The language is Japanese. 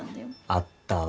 あったわ。